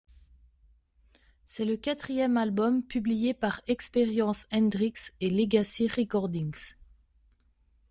C'est le quatrième album publié par Experience Hendrix et Legacy Recordings.